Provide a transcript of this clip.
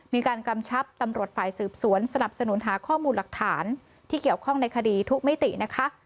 กำชับตำรวจฝ่ายสืบสวนสนับสนุนหาข้อมูลหลักฐานที่เกี่ยวข้องในคดีทุกมิตินะคะ